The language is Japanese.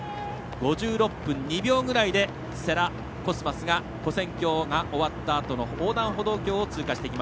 ５６分２秒ぐらいで世羅、コスマスが跨線橋が終わったあとの横断歩道を通過。